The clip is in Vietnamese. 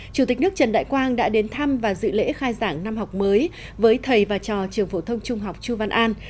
chủ tịch nước trần đại quang đã đến thăm và dự lễ khai giảng năm học mới với thầy và trò trường phổ thông trung học chu văn an